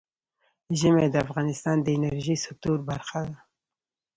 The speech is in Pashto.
ژمی د افغانستان د انرژۍ سکتور برخه ده.